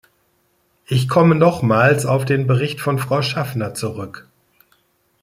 Ich komme nochmals auf den Bericht von Frau Schaffner zurück.